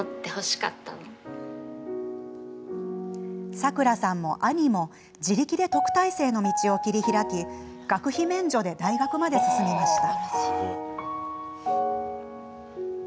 さくらさんも兄も自力で特待生の道を切り開き学費免除で大学まで進みました。